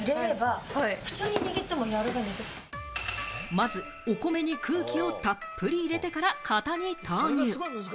まずお米に空気をたっぷり入れてから型に投入。